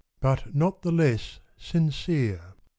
But not the less sincere.